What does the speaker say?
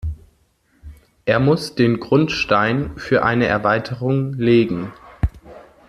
Er muss den Grundstein für eine Erweiterung legen.